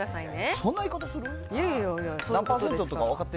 そんな言い方する？